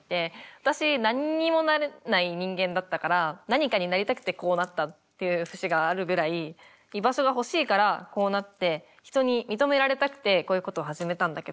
私何にもなれない人間だったから何かになりたくてこうなったっていう節があるぐらい居場所が欲しいからこうなって人に認められたくてこういうことを始めたんだけど。